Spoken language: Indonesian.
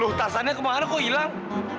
loh tarzannya kemana kok hilang